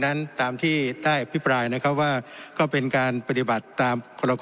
นั้นตามที่ได้อภิปรายนะครับว่าก็เป็นการปฏิบัติตามกรก